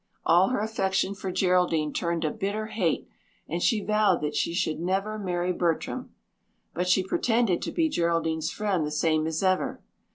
All her affection for Geraldine turned to bitter hate and she vowed that she should never marry Bertram. But she pretended to be Geraldine's friend the same as ever.